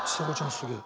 すげえ。